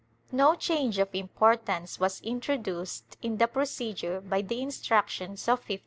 * No change of importance was introduced in the procedure by the Instructions of 1561.